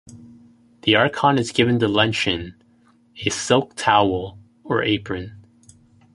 The Archon is given the "Lention", a silk "towel" or apron.